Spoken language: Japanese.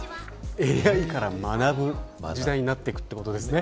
ＡＩから学ぶ時代になっていくということですね。